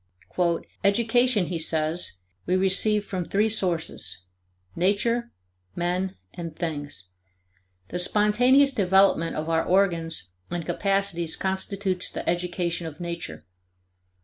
"Education," he says, "we receive from three sources Nature, men, and things. The spontaneous development of our organs and capacities constitutes the education of Nature.